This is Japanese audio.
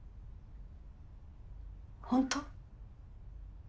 本当？